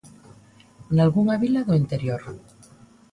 Nalgunha vila do interior.